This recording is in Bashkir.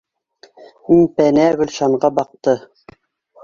М пәнә Гөлшанға баҡты: